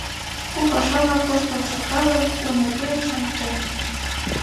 У паша-влак, тоштым шӱкалын, у нерген шоныктеныт.